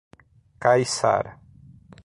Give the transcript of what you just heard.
Caiçara